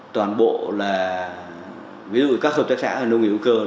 toàn bộ là ví dụ các hợp tác xã nông nghiệp hữu cơ